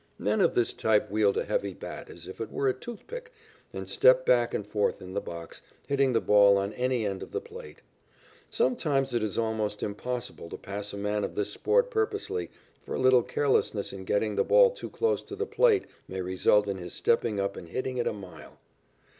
Men of this type wield a heavy bat as if it were a toothpick and step back and forth in the box, hitting the ball on any end of the plate. Sometimes it is almost impossible to pass a man of this sort purposely, for a little carelessness in getting the ball too close to the plate may result in his stepping up and hitting it a mile.